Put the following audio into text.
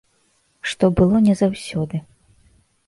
Што было не заўсёды.